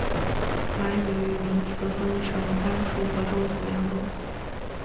满语名词分成单数和众数两种。